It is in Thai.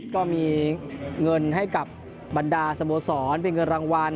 ก็มีเงินให้กับบรรดาสโมสรเป็นเงินรางวัล